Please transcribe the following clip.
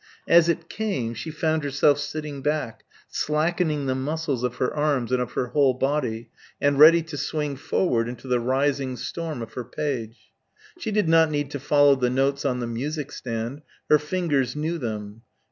As it came, she found herself sitting back, slackening the muscles of her arms and of her whole body, and ready to swing forward into the rising storm of her page. She did not need to follow the notes on the music stand. Her fingers knew them.